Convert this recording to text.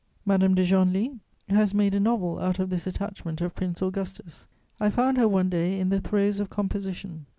Madame de Genlis has made a novel out of this attachment of Prince Augustus. I found her one day in the throes of composition.